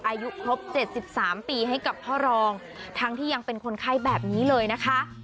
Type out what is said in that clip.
อายุครบ๗๓ปีให้กับพ่อรองทั้งที่ยังเป็นคนไข้แบบนี้เลยนะคะ